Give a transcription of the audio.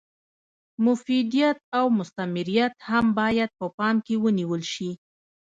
مفیدیت او مثمریت هم باید په پام کې ونیول شي.